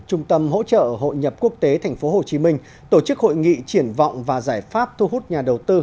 trung tâm hỗ trợ hội nhập quốc tế tp hcm tổ chức hội nghị triển vọng và giải pháp thu hút nhà đầu tư